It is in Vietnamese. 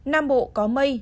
nam bộ có mây